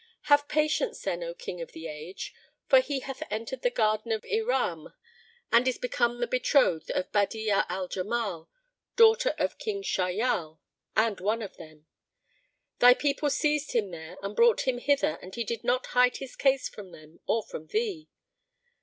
Have patience, then, O King of the Age, for he hath entered the garden of Iram and is become the betrothed of Badi'a al Jamal, daughter of King Shahyal, and one of them. Thy people seized him there and brought him hither and he did not hide his case from them or from thee.